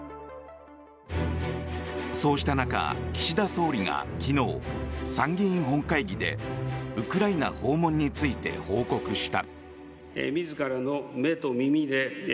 そうした中、岸田総理が昨日参議院本会議でウクライナ訪問について報告した。